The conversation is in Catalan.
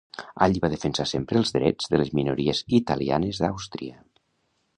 Allí va defensar sempre els drets de les minories italianes d'Àustria.